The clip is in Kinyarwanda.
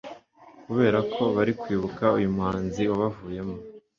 kubera ko bari kwibuka uyu muhanzi wabavuyemo